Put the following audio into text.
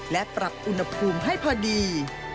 และปรับอุณหภูมิให้พอดี